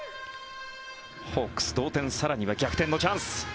ホークス同点、更には逆転のチャンス。